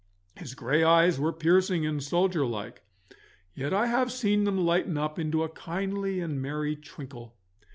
His grey eyes were piercing and soldier like, yet I have seen them lighten up into a kindly and merry twinkle.